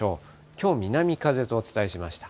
きょう、南風とお伝えしました。